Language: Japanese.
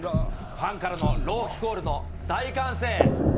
ファンからの朗希コールの大歓声。